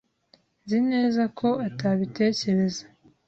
Nzi neza ko atabitekereza.